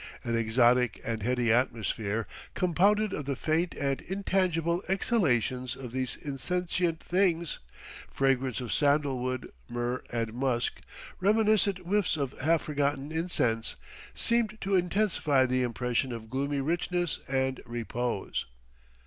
An exotic and heady atmosphere, compounded of the faint and intangible exhalations of these insentient things, fragrance of sandalwood, myrrh and musk, reminiscent whiffs of half forgotten incense, seemed to intensify the impression of gloomy richness and repose...